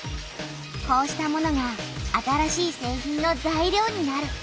こうしたものが新しい製品の材料になる。